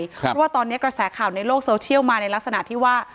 เพราะว่าตอนนี้กระแสข่าวในโลกโซเชียลมาในลักษณะที่ว่า